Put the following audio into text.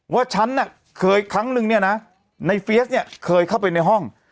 ว่าฉันน่ะเคยครั้งนึงเนี่ยนะในเฟียสเนี่ยเคยเข้าไปในห้อง